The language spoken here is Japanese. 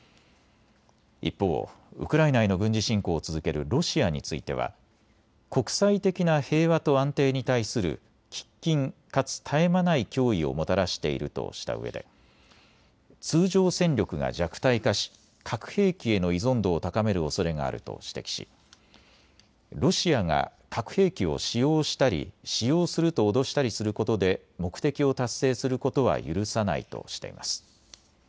一方、ウクライナへの軍事侵攻を続けるロシアについては国際的な平和と安定に対する喫緊かつ絶え間ない脅威をもたらしているとしたうえで通常戦力が弱体化し核兵器への依存度を高めるおそれがあると指摘し、ロシアが核兵器を使用したり使用すると脅したりすることで目的を達成することは許さないとしています。